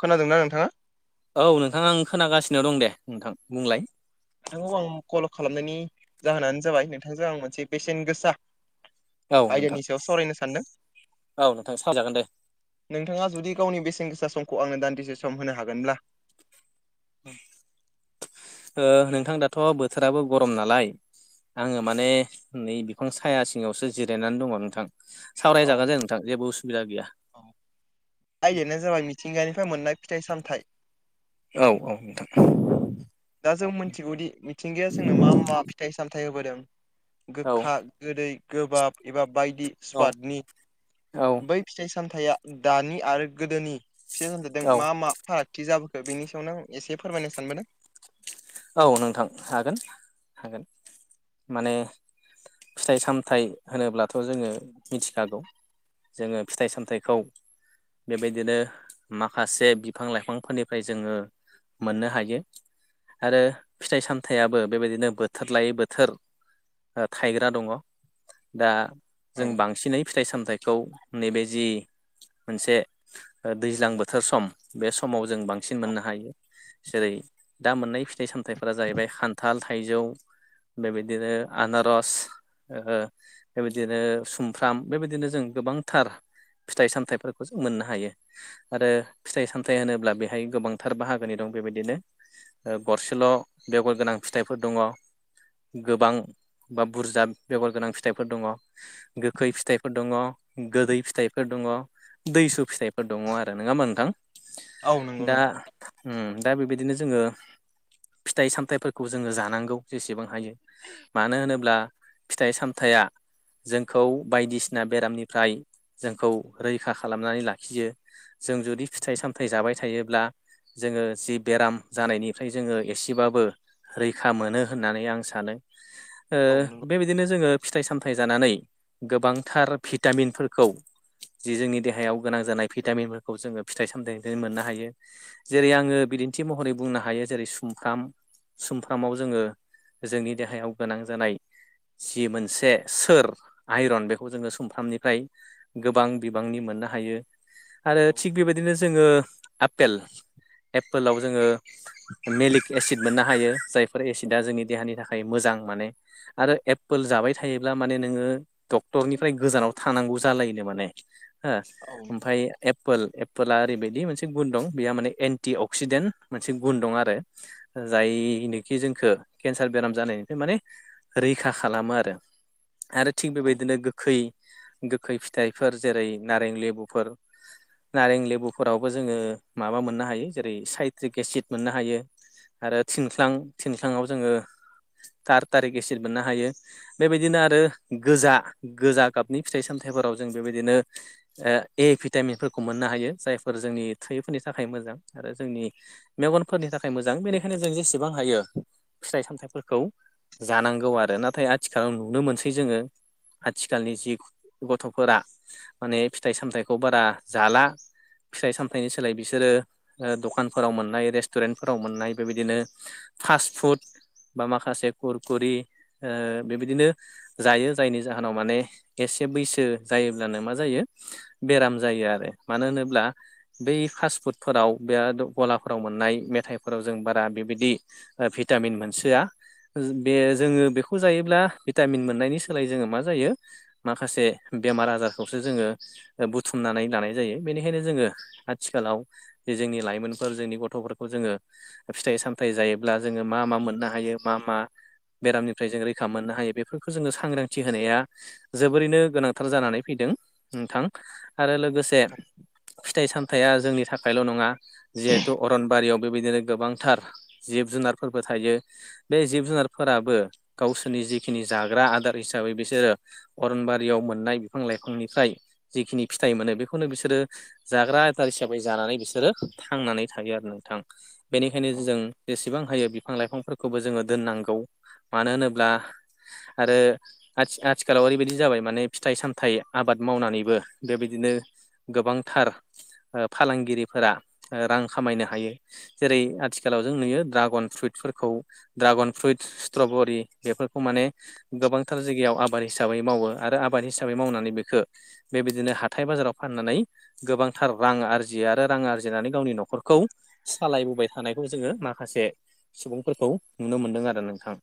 खोनादों ना नोंथाङा? औ नोंथां आं खोनागासिनो दं दे नोंथां बुंलाय। नोंथांखौ आं कल खालामनाइनि जाहोनानो जाबाय नोंथांजों आं मोनसे बेसेन गोसा औ नोंथां आयदानि सायाव सावरायनो सानदों औ नोंथां सावरायजागोन दे नोंथाङा जुदि गावनि बेसेन गोसा समखौ आंनो दान्दिसे सम होनो हागोनब्ला ओ नोंथां दाथ' बोथोराबो गरम नालाय आङो माने नै बिफां साया सिङावसो जिरायनानै दङ नोंथां। सावराय औ जागोन जे नोंथां जेबो उसुबिदा गैया। औ आयदायानो जाबाय मिथिंगानिफ्राय मोननाय फिथाइ सामथाइ। औ औ नोंथां। दा जों मिथिगौदि मिथिंगाया जोंनो मा मा फिथाइ सामथायाइ होबोदों औ गोखा गोदै गोबाब एबा बायदि औ स्वादनि औ बै फिथाइ सामथायाइया दानि आरो गोदोनि फिथाइ सामथायाइजों औ मा मा फाराग थि जाबोखो बेनि सायावनो आं एसे फोरमायनो सानबोदों औ नोंथां हागोन हागोन माने फिथाइ सामथाइ होनोब्लाथ' जोङो मिथिखागौ जोङो फिथाइ सामथाइखौ बेबायदिनो माखासे बिफां लाइफांफोरनिफ्राय जोङो मोननो हायो। आरो फिथाइ सामथायाइाबो बेबायदिनो बोथोर लायै बोथोर ओ थायग्रा दं दा जों औ बांसिनै फिथाइ सामथाइखौ नैबे जि मोनसे ओ दैज्लां बोथोर सम बे समाव जों बांसिन मोननो हायो जेरै दा मोननाय फिथाइ सामथाइफोरा जाहैबाय खान्थाल थाइजौ बेबायदिनो आनारस ओ बेबायदिनो सुमफ्राम बेबायदिनो जों गोबांथार फिथाइ सामथायाइफोरखौ जों मोननो हायो। आरो फिथाइ सामथायाइ होनोब्ला बेहाय गोबांथार बाहागोनि दं बेबायदिनो ओ गरसेल' बेगर गोनां फिथाइफोर दङ। गोबां बा बुरजा बेगर गोनां फिथाइफोर दङ। गोखै फिथाइफोर दङ गोदै फिथाइफोर दङ दैसु फिथाइ दङ आरो नोङा होमबा नोंथां औ नंगौ दा नोंथां उम दा बेबायदिनो जोङो फिथाइ सामथाइफोरखौ जोङो जानांगौ जेसेबां हायो मानो होनोब्ला फिथाइ सामथाइया जोंखौ बायदिसिना बेरामनिफ्राय जोंखौ रैखा खालामनानै लाखियो। जों जुदि फिथाइ सामथाइ जाबाय थायोब्ला जोङो जि बेराम जानायनि ओमफ्राय जोङो एसेबाबो रैखा मोनो होननानै आं सानो ओ औ नंगौ बेबायदि बिदिनो जोङो फिथाइ सामथाइ जानानै गोबांथार भिटामिनफोरखौ जि जोंनि देहायाव गोनां जानाय भिटामिनफोरखौ जोङो फिथाइ सामथाइनिफ्राय मोननो हायो। जेरै आङो बिदिन्थि महरै बुंनो हायो। जेरै सुमफ्राम सुमफ्रामाव जोङो जोंनि देहायाव गोनां जानाय जि मोनसे सोर आइरन बेखौ जोङो सुमफ्रामनिफ्राय गोबां बिबांनि मोननो हायो। आरो औ थिग बेबायदिनो जोङो आपेल एपपोलाव जोङो मेलिक एसिड मोननो हायो जायफोर एसिडा जोंनि देहानि थाखाय मोजां माने। आरो एप्पोल जाबाय थायोब्ला माने नोङो डक्टरनिफ्राय गोजानाव थानांगौ जालायोनो माने हो औ नोंथां ओमफाय एपोल एपोला ओरैबायदि मोनसे गुन दं बेहा माने एन्टि अक्सिडेन्ट मोनसे गुन दं आरो। जायनोखि जोंखो केन्सार बेराम जानायनिफ्राय माने रैखा खालामो आरो आरो थिग औ बेबायदिनो गोखै गोखै फिथाइफोर जेरै नारें लेबुफोर नारें लेबुफोरावबो जोङो माबा मोननो हायो जेरै साइट्रिक एसिड मोननो हायो। आरो थिनथ्लां थिनथ्लांआव जोङो थार थारिख एसिट मोननो हायो। बेबायदिनो आरो गोजा गोजा गाबनि फिथाइ सामथाइफोराव जों बेबायदिनो ओ ए भिटामिनफोरखौ मोननो हायो जायफोर जोंनि थैैफोरनि थाखाय मोजां आरो जोंनि मेगनफोरनि थाखाय मोजां बेनिखायनो जों जेसेबां हायो फिथाइ सामथाइफोरखौ जानांगौ आरो नाथाय आथिखालाव नुनो मोनसै जोङो आथिखालनि जि गथ'फोरा माने फिथाइ सामथाइखौ बारा जाला। फिथाइ सामथाइनि सोलाय बिसोरो ओ दखानफोराव मोननाय रेस्टुरेन्ट फोराव मोननाय बेबायदिनो फास्ट फुड बा माखासे कुरकुरि ओ बेबायदिनो जायो जायनि जाहोनाव माने एसे बैसो जायोब्लानो मा जायो बेराम जायो आरो मानो होनोब्ला बै फास्ट फुदफोराव बे गलाफोराव मोननाय मे थायफोराव जों बारा बेबायदि ओ भिटामिन मोनसोआ। बे जोङो बेखौ जायोब्ला भिटामिन मोननायनि सोलायै जोङो मा जायो माखासे बेमार आजारखौसो जोङो ओ बुथुमनानै लानाय जायो बेनिखायनो जोङो आथिखालाव जे जोंनि लाइमोनफोर जोंनि गथ'फोरखौ जोङो फिथाइ सामथाइ जायोब्ला जोङो मा मा मोननो हायो मा मा बेरामनिफ्राय जों रैखा मोननो हायो बेफोरखौ जोङो सांग्रांथि होनाया जोबोरैनो गोनांथार जानानै फैदों। नोंथां आरो लोगोसे फिथाइ सामथाइया जोंनि थाखायल' नङा। जिहेथु अरनबारियाव बेबायदिनो गोबांथार जिब जुनारफोरबो थायो। बे जिब जुनारफोराबो गावसोरनि जिखिनि जाग्रा आदार हिसाबै बिसोरो अरनबारियाव मोननाय बिफां लाइफांनिफ्राय जिखिनि मोनो बेखौनो बिसोरो जाग्रा आदार हिसाबै जानानै बिसोरो थांनानै थायो आरो नोंथां। बेनिखायनो औ जों जेसेबां हायो बिफां लाइफांफोरखौबो जोङो दोननांगौ मानो होनोब्ला आरो आथि आथिखालाव ओरैबायदि जाबाय माने फिथाइ सामथाइ आबाद मावनानैबो बेबायदिनो गोबांथार ओ फालांगिरिफोरा ओ रां खामायनो हायो। जेरै आथिखालाव जों नुयो ड्रागन फ्रुइटफोरखौ ड्रागन फ्रुइट स्ट्रबरि बेफोरखौ माने गोबांथार जायगायाव आबाद हिसाबै मावो आरो आबाद हिसाबै मावनानै बेखो बेबायदिनो हाथाय बाजाराव फाननानै गोबांथार रां आरजियो आरो रां आरजिनानै गावनि न'खरखौ सालायबोबाय थानायखौ जोङो माखासे सुबुंफोरखौ नुनो मोनदों आरो नोंथां।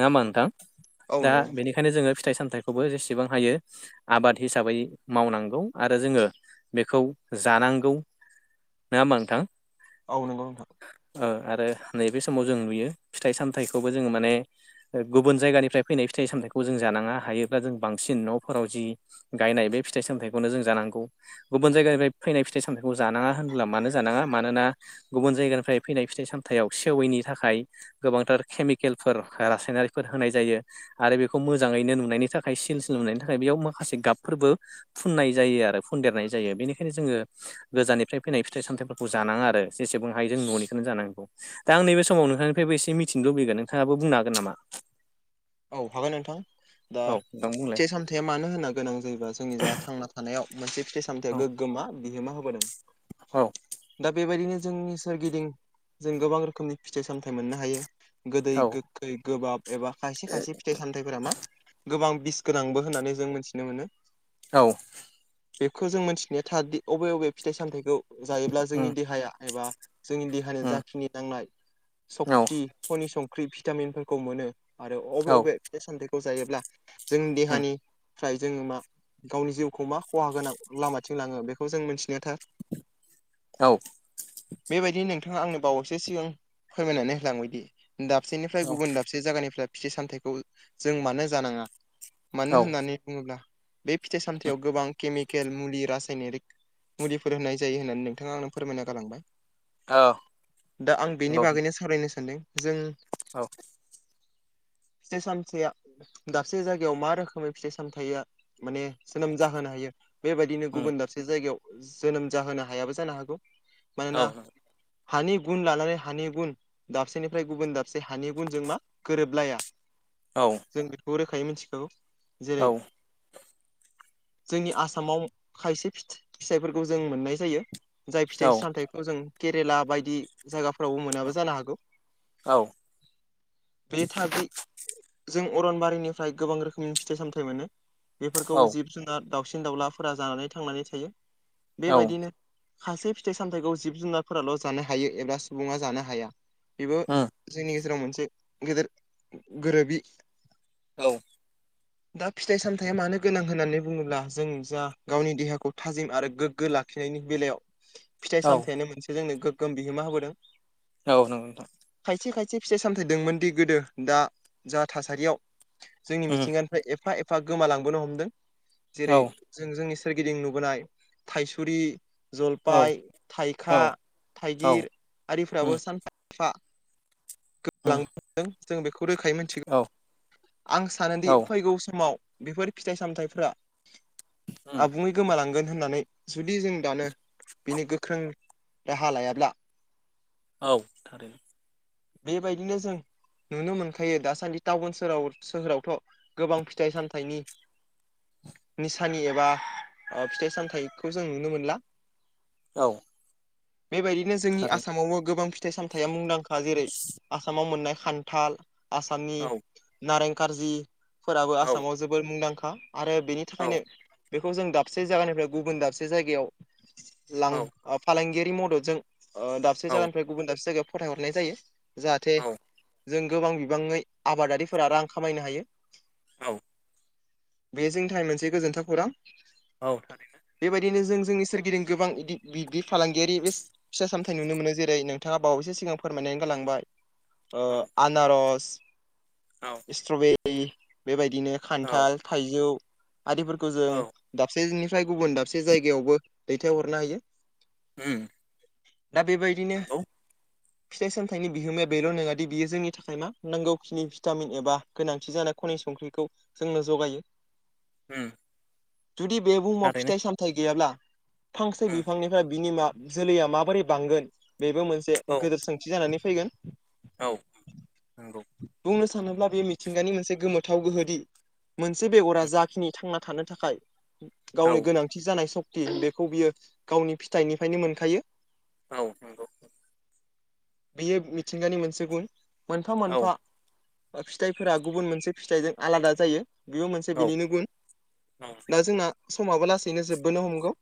नोंङा होमबा नोंथां औ दा नंगौ नोंथां बेनिखायनो जोङो फिथाइ सामथाइखौबो जेसेबां हायो आबाद हिसाबै मावनांगौ आरो जोङो बेखौ जानांगौ। नोंङा होमबा नोंथां। औ नंगौ नोंथां। ओ आरो नैबे समाव जों नुयो फिथाइ सामथायाइखौबो जोङो माने गुबुन जायगानिफ्राय फैनाय फिथाइ सामथाइखौ जों जानाङा हायोब्ला जों बांसिन न'फोराव जि गायनाय बे फिथाइ सामथाइखौनो जों जानांगौ। गुबुन जायगानिफाय फैनाय फिथाइ सामथायखौ जानाङा होनब्ला मानो जानाङा मानोना गुबुन जायगानिफ्राय फैनाय फिथाइ सामथायाइआव सेविनि थाखाय गोबांथार केमिकेलफोर रासायनारिफोर होनाय जायो। आरो बेखौ मोजाङैनो नुनायनि थाखाय सिलसिल नुनायनि थाखाय बेयाव माखासे गाबफोरबो फुननाय जायो आरो फुनदेरनाय जायो बेनिखायनो जोङो गोजाननिफ्राय फैनाय फिथाइ सामथायाइफोर खौ जानाङा आरो जेसेबां हायो जों न'निखोनो जानांगौ। दा आं नैबे समाव नोंथांनिफायबो एसे मिथिंनो लुबैगोन नोंथाङाबो बुंनो हागोन नामा। औ हागोन नोंथां दा औ नोंथां बुंलाय से साम फिथायया मानो होनना गोनां जायोबा जोंनि जोहा थांना थानायाव मोनसे फिथाइ सामथायाइया औ गोग्गोम मा बिहोमा होबोदों। औ दा बेबायदिनो जोंनि सोरगिदिं जों गोबां रोखोमनि फिथाइ सामथाइ मोननो हायो गोदै औ गोखै गोबाब एबा खायसे खायसे फिथाइ सामथायाइफोरा मा गोबां बिस गोनांबो होननानै जों मिथिनो मोनो। औ। बेखौ जों मिन्थिनाया थारदि अबे अबे फिथाइ सामथाइखौ जायोब्ला जोंनि उम देहाया एबा जोंनि देहानि उम जाखिनि नांनाय औ सक्ति खनि संख्रि भिटामिनफोरखौ मोनो आरो औ अबे अबे फिथाइ सामथाइखौ जायोब्ला जोंनि उम देहानि फ्राय जोङो मा गावनि जिउखौ मा खहा गोनां लामाथिं लाङो बेखौ जों मिथिनाया थार [unintelligible] औ। बेबायदिनो नोंथाङा आंनो बावैसो सिगां फोरमायनानै होलांबायदि दाबसेनिफ्राय गुबुन दाबसे जायगानिफ्राय फिथाय सामथाइखौ जों मानो जानाङा औ मानो होननानै बुङोब्ला बे फिथाइ सामथायाइव गोबां केमिकेल मुलि रासायनारिक मुलिफोर होनाय जायो होननानै नोंथाङा आंनो फोरमायना गालांबाय। औ दा आं बेनि नंगौ बागैनो सावरायनो सानदों जों औ फिथाइ सामथायाइया दाबसे जायगायाव मा रोखोमै फिथाइ सामथायाइया माने जोनोम जाहोनो हायो बेबायदिनो उम गुबुन दाबसे जोनोम जाहोनो हायाबो जानो हागौ औ मानोना हानि गुन लानानै हानि गुन दाबसेनिफ्राय गुबुन दाबसे हानि गुनजों मा गोरोबलाया औ जों बेखौ रोखायै मिथिखागौ जेरै जोंनि आसामाव खायसे फिथ-फिथाइफोरखौ जों मोननाय जायो जाय फिथाइ औ सामथाइखौ जों केरेला बायदि जायगाफ्रावबो मोनाबो जानो हागौ औ बे थारदि जों अरनबारिनिफ्राय गोबां रोखोमनि फिथाइ सामथाइ मोनो बेफोरखौ औ जिब जुनार दाउसिन दाउलाफोरा जानानै थांनानै थायो औ बेबायदिनो खासे फिथाइ सामथायाइखौ जिब जुनारफोराल' जानो हायो एबा सुबुङा जानो हाया बेबो उम जोंनि गेजेराव मोनसे गेदेर गोरोबि औ [inaudible] दा फिथाइ सामथाया मानो गोनां होननानै बुङोब्ला जों जा गावनि देहाखौ थाजिम आरो गोग्गो ला खिनायनि बेलायाव फिथाइ औ औ सामथाइयानो मोनसे जोंनो गोग्गोम बिहोमा होबोदों औ नंगौ नोंथां खायसे खायसे फिथाय सामथाइ दोंमोन दि गोदो दा जा थासारियाव जोंनि उम मिथिंगानिफ्राय एफा एफा गोमालांबोनो हमदों जेरै औ जों जोंनि सोरगिदिं नुबोनाय थाइसुरि औ जलफाय औ थाइखा औ थाइगिर आरिफ्राबो उम सानफा एफा उम गोमालांनो हमदों जों बेखौ रोखायै मोनथिगोन औ आं सानोदि औ फै फैगौ समाव बेफोर फिथाइ सामथाइफोरा उम आबुङै गोमालांगोन होननानै जुदि जों दानो बेनि गोख्रों राहा लायाब्ला औ थारै बेबायदिनो जों नुनो मोनखायो दासान्दि टाउन साव सोहोरा सोहोरावथ' गोबां फिथाइ सामथाइनि निसानि एबा ओ फिथाइ सामथाइखौ जों नुनो मोनला औ बेबायदिनो जोंनि थारैनो आसामावबो गोबां फिथाइ सामथाइया मुंदांखा जेरै आसामाव मोननाय खान्थाल आसामनि नारें कारजिफोराबो औ औ आसामाव जो बोर मुंदांखा आरो बेनि औ थाखायनो बेखौ जों दाबसे जायगानिफ्राय गुबुन दाबसे जायगायाव लां ओ फालांगियारि मददजों ओ दाबसे औ औ जागानिफ्राय गुबुन दाबसे जायगायाव फथायहरनाय जायो जाहाथे जों गोबां बिबाङै आबादारिफोरा रां खामायनो हायो औ बे जोंनि थाखाय मोनसे गोजोन्थाव खौरां औ थारैनो बेबायदिनो जों जोंनि सोरगिदिं गोबां इदि बिदि फालांगियारि [unintelligible] फिसा सामथाय नुनो मोनो जेरै नोंथाङा बावैसो सिगां फोरमायनानै गालांबाय ओ औ आनारस औ स्ट्रबेरि बेबायदिनो औ खान्थाल थाइजौ आरिफोरखौ जों औ दाब सेनिफ्राय गुबुन दाबसे जायगायावबो दैथाय हरनो हायो उम दा बेबायदिनो नंगौ फिथाइ सामथाइनि बिहोमाया बेल' नङादि बियो जोंनि थाखाय मा नांगौखिनि भिटामिन एबा गोनांथि जानाय खनि संख्रिखौ जोंनो जगायो ओम जुदि बे बुहुमाव फिथाइ सामथाइ फांसे उम बिफांनिफ्राय बिनि मा जोलैया माबोरै बांगोन बेबो मोनसे औ गेदेर सोंथि जानानै फैगोन औ नंगौ बुंनो सानोब्ला बेयो मिथिंगानि मोनसे गोमोथाव गोहोदि मोनसे बेगरा जाखिनि थांना थानो थाखाय औ गावनि गोनांथि जानाय सक्ति बेखौ बियो गावनि फिथाइनिफ्रायनो मोनखायो औ बियो मिथिंगानि मोनसे गुन मोनफा औ मोनफा बा फिथाइफोरा गुबुन मोनसे फिथाइजों आलादा जायो बेबो मोनसे औ बिनिनो गुन दा जोंना समाबो लासैनो जोबबोनो हमगौ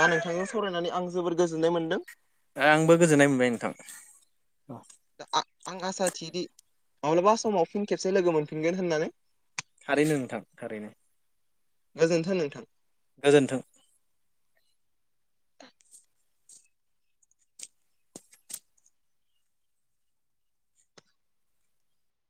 दा नोंथांजों सावरायनानै आं जोबोर गोजोननाय मोन्दों आंबो गोजोननाय मोनबाय नोंथां दा आ आं आसा थियोदि माब्लाबा समाव फिन खेबसे लोगो मोनफिनगोन होननानै थारैनो नोंथां थारैनो गोजोन्थों नोंथां गोजोन्थों